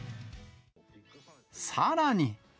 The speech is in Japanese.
さらに。